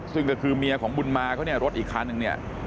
ซึ่งก็คือเมียของบุญมาเขารถอีกครั้งหนึ่ง